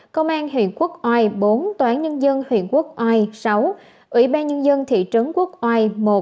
công an huyện quốc oai bốn toán nhân dân huyện quốc oai sáu ủy ban nhân dân thị trấn quốc oai một